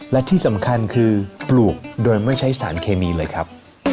และที่สำคัญคือปลูกโดยไม่ใช้สารเคมีเลยครับ